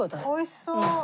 おいしそう。